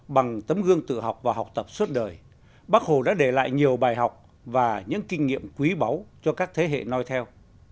bằng tấm gương tự học và học tập suốt đời bác hồ đã để lại nhiều bài học và những kinh nghiệm quý báu cho các thế hệ nói theo